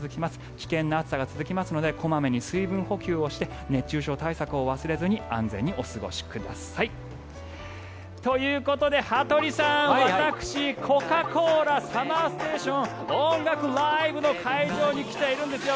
危険な暑さが続きますので小まめに水分補給をして熱中症対策を忘れずに安全にお過ごしください。ということで羽鳥さん私、コカ・コーラＳＵＭＭＥＲＳＴＡＴＩＯＮ音楽ＬＩＶＥの会場に来ているんですよ。